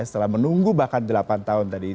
setelah menunggu bahkan delapan tahun tadi